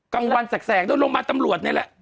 กลางวันแสกโรงพยาบาลตำรวจนี่แหละ